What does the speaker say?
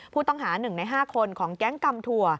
ผู้ต้องหา๑ใน๕คนของแก๊งกำถั่ว